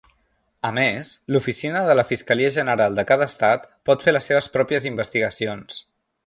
A més, l"oficina de la fiscalia general de cada estat pot fer les seves pròpies investigacions.